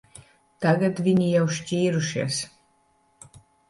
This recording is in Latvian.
Tagad viņi jau šķīrušies.